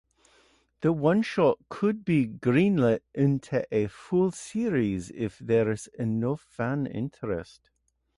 The one-shot could be greenlit into a full series if there's enough fan interest.